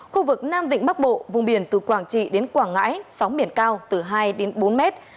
khu vực nam vịnh bắc bộ vùng biển từ quảng trị đến quảng ngãi sóng biển cao từ hai đến bốn mét